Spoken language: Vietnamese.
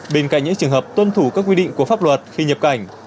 bên cạnh những trường hợp tuân thủ các quy định của pháp luật khi nhập cảnh